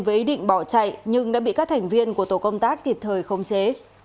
với ý định bỏ chạy nhưng đã bị các thành viên của tổ công tác kịp thời khống chế